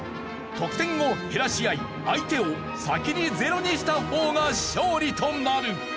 得点を減らし合い相手を先にゼロにした方が勝利となる。